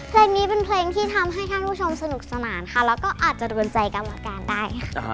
เพลงนี้เป็นเพลงที่ทำให้ท่านผู้ชมสนุกสนานค่ะแล้วก็อาจจะโดนใจกรรมการได้ค่ะ